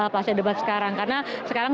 pasca debat sekarang karena sekarang